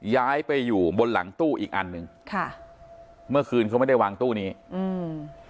ย้ายไปอยู่บนหลังตู้อีกอันหนึ่งค่ะเมื่อคืนเขาไม่ได้วางตู้นี้อืม